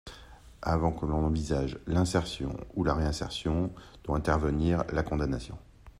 Avant que l’on n’envisage l’insertion ou la réinsertion, doit intervenir la condamnation.